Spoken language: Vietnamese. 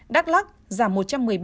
đắk lắc giảm một trăm một mươi ba